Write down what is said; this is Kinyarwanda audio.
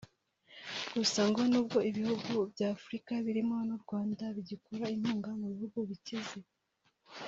Gusa ngo nubwo ibihugu by’Afurika birimo n’u Rwanda bigikura inkunga mu bihugu bikize